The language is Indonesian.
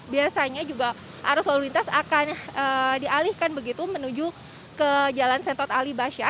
biasanya juga arus lalu lintas akan dialihkan begitu menuju ke jalan sentot alibasya